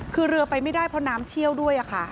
คือเรือไปไม่ได้เพราะน้ำเชี่ยวด้วยค่ะ